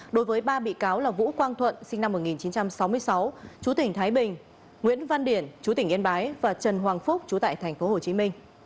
đối với ba bị cáo là vũ quang thuận sinh năm một nghìn chín trăm sáu mươi sáu chú tỉnh thái bình nguyễn văn điển chú tỉnh yên bái và trần hoàng phúc chú tại tp hcm